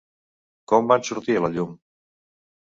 Com van sortir a la llum?